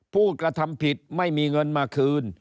ผู้กระทำผิดไม่มีเงินมาคืน